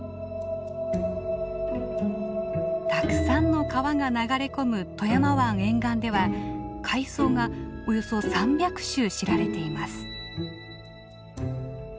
たくさんの川が流れ込む富山湾沿岸では海藻がおよそ３００種知られています。